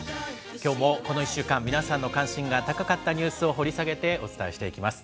きょうもこの１週間、皆さんの関心が高かったニュースを掘り下げてお伝えしていきます。